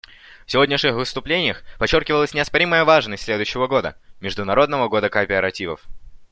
В сегодняшних выступлениях подчеркивалась неоспоримая важность следующего года, Международного года кооперативов.